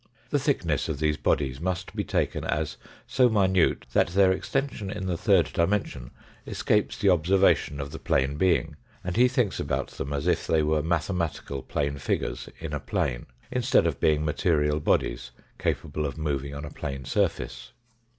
The thickness of these bodies must be taken as so minute y that their extension in the third di mension escapes the observation of the plane being, and he thinks about them as if they were mathematical plane 5' figures in a plane instead of being material bodies capable of moving on A B x a plane surface.